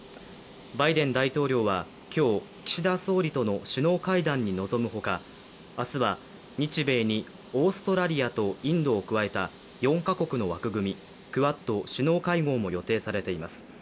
バイデン大統領は今日、岸田総理との首脳会談に臨むほか明日は、日米にオーストラリアとインドを加えた４カ国の枠組みクアッド首脳会合も予定されています。